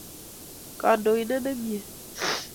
Kandoindet nemiei